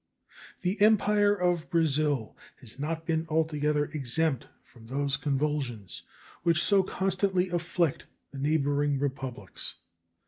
The Empire of Brazil has not been altogether exempt from those convulsions which so constantly afflict the neighboring republics.